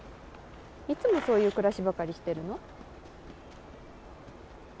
いつもそういう暮らしばかりしてるの？